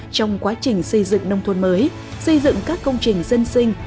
trong quá trình xây dựng nông thôn mới xây dựng các công trình dân sinh